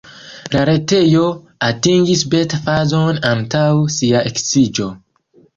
La retejo atingis beta-fazon antaŭ sia eksiĝo.